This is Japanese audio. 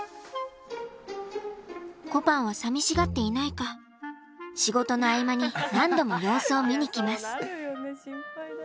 こぱんは寂しがっていないか仕事の合間に何度も様子を見に来ます。